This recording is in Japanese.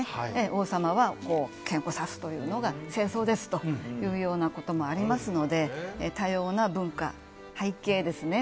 王様は剣を差すというのが正装ですというようなこともありますので多様な文化、背景ですね。